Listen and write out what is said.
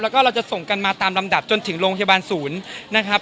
แล้วก็เราจะส่งกันมาตามลำดับจนถึงโรงพยาบาลศูนย์นะครับ